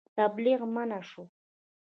تبلیغ منع شو.